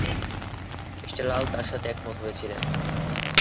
Mr Lal তার সাথে একমত হয়েছিলেন।